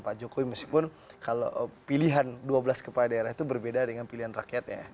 pak jokowi meskipun kalau pilihan dua belas kepala daerah itu berbeda dengan pilihan rakyatnya